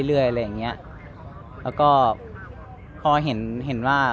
เวลาที่สุดตอนที่สุด